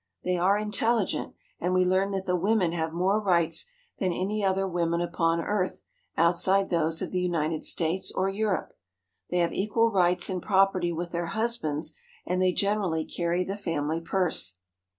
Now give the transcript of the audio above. They are intelligent, and we learn that the women have more rights than any other women upon earth outside those of the United States or Europe. They have equal rights in property with their husbands, and they generally carry the family purse.